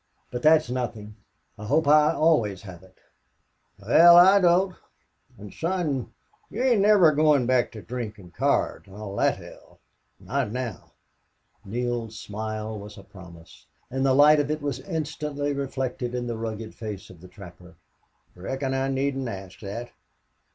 But that's nothing. I hope I always have it." "Wal, I don't.... An', son, you ain't never goin' back to drink an' cards an' all thet hell?... Not now!" Neale's smile was a promise, and the light of it was instantly reflected on the rugged face of the trapper. "Reckon I needn't asked thet.